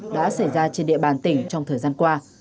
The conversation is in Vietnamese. đã xảy ra trên địa bàn tỉnh trong thời gian qua